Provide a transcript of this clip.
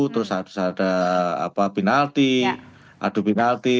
terus harus ada penalti adu penalti